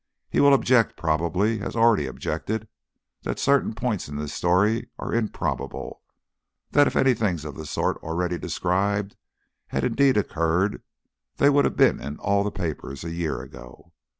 He will object, probably has already objected, that certain points in this story are improbable, that if any things of the sort already described had indeed occurred, they would have been in all the papers a year ago.